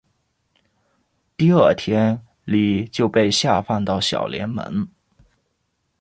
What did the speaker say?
第二天李就被下放到小联盟。